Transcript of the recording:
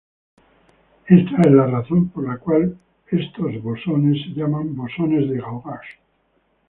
Esta es la razón por la cual estos bosones se llaman bosones de gauge.